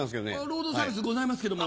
ロードサービスございますけども。